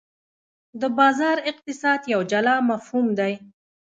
د بازار اقتصاد یو جلا مفهوم دی.